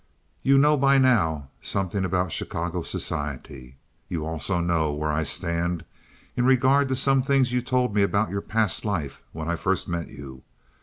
You know by now something about Chicago society. You also know where I stand in regard to some things you told me about your past when I first met you.